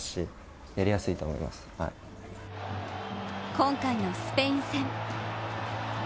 今回のスペイン戦。